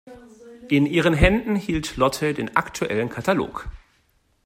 In ihren Händen hielt Lotte den aktuellen Katalog.